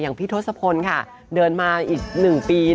พี่ทศพลค่ะเดินมาอีก๑ปี